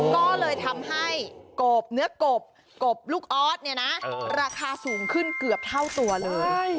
ก็เลยทำให้กบเนื้อกบกบลูกออสเนี่ยนะราคาสูงขึ้นเกือบเท่าตัวเลย